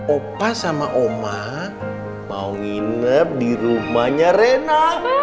opa sama oma mau nginep di rumahnya rena